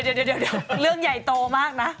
เดี๋ยวเรื่องใหญ่โตมากนะ